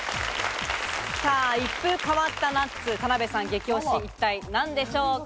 一風変わったナッツ、田辺さん激推し、一体何でしょうか？